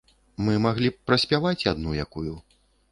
Мы маглі б праспяваць адну якую.